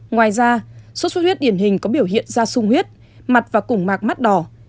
ngoài ra số xuất huyết điển hình có biểu hiện da sung huyết mặt và củng mạc mắt đỏ